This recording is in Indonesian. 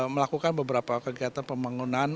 melakukan beberapa kegiatan pembangunan